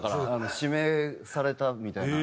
指名されたみたいな。